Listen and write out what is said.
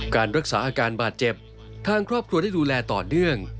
การรักษาอาการบาดเจ็บทางครอบครัวได้ดูแลต่อเนื่อง